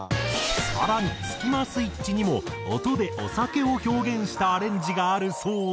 更にスキマスイッチにも音でお酒を表現したアレンジがあるそうで。